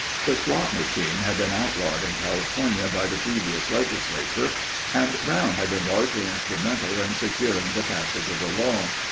The slot machine had been outlawed in California by the previous legislature and Brown had been largely instrumental in securing the passage of the law.